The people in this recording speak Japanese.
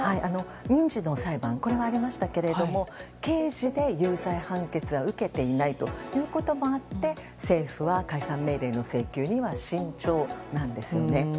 民事の裁判はありましたが刑事で有罪判決は受けていないということもあって政府は解散命令の請求には慎重なんですよね。